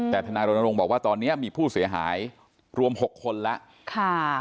แต่ทนายรณรงค์บอกว่าตอนนี้มีผู้เสียหายรวม๖คนแล้ว